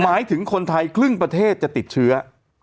หมายถึงคนไทยครึ่งประเทศจะติดเชื้อ